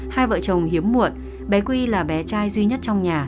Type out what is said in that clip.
hai vợ chồng hiếm muộn bé quy là bé trai duy nhất trong nhà